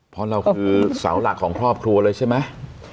เพราะเราคือเสาหลักของครอบครัวเลยใช่ไหม